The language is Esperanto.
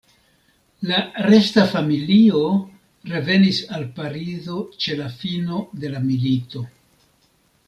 La resta familio revenis al Parizo ĉe la fino de la milito.